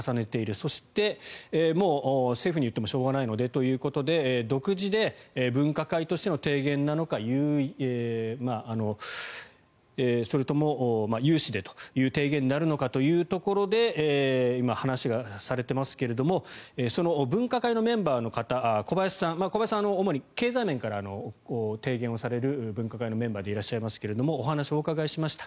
そして、もう政府に言ってもしょうがないのでということで独自で分科会としての提言なのかそれとも有志でという提言になるのかというところで今、話されていますがその分科会のメンバーの方小林さん、主に経済面から提言をされる分科会のメンバーでいらっしゃいますがお話をお伺いしました。